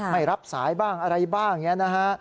ไม่รับสายบ้างอะไรบ้างอย่างนี้นะฮะ